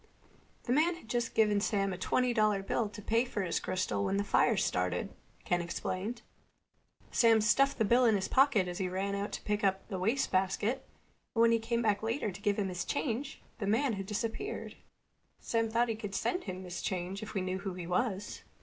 "The man had just given Sam a twenty dollar bill to pay for his crystal when the fire started," Ken explained. "Sam stuffed the bill in his pocket as he ran out to pick up the wastebasket, and when he came back later to give him his change the man had disappeared. Sam thought he could send him his change if we knew who he was."